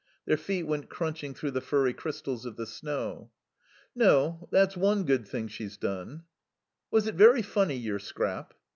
Their feet went crunching through the furry crystals of the snow. "No. That's one good thing she's done." "Was it very funny, your scrap?"